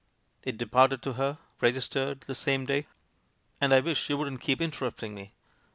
It departed to her, registered, the same day. And I wish you wouldn't keep interrupting me!